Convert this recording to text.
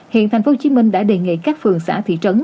hiện thành phố hồ chí minh đã đề nghị các phường xã thị trấn